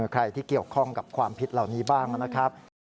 ใครที่เกี่ยวข้องกับความผิดเหล่านี้บ้างนะครับ